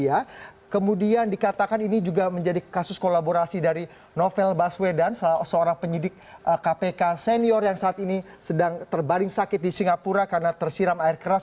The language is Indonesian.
ya kemudian dikatakan ini juga menjadi kasus kolaborasi dari novel baswedan seorang penyidik kpk senior yang saat ini sedang terbaring sakit di singapura karena tersiram air keras